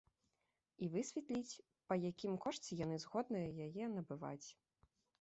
І высветліць, па якім кошце яны згодныя яе набываць.